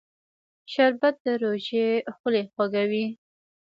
شربت د روژې خولې خوږوي